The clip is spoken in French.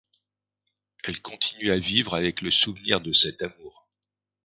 Elle continue à vivre avec le souvenir de cet amour.